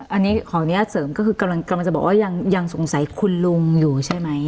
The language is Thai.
อันนี้ขออนุญาตเสริมก็คือกำลังจะบอกว่ายังสงสัยคุณลุงอยู่ใช่ไหม